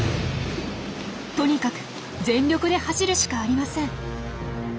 とにかく全力で走るしかありません。